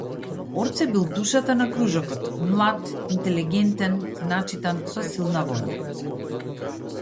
Орце бил душата на кружокот, млад, интелигентен, начитан, со силна волја.